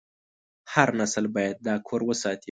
هر نسل باید دا کور وساتي.